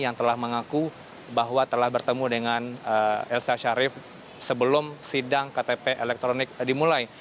yang telah mengaku bahwa telah bertemu dengan elsa sharif sebelum sidang ktp elektronik dimulai